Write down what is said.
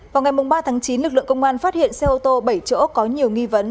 vào ngày ba tháng chín lực lượng công an phát hiện xe ô tô bảy chỗ có nhiều nghi vấn